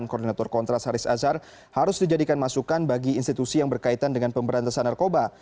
koordinator kontras haris azhar harus dijadikan masukan bagi institusi yang berkaitan dengan pemberantasan narkoba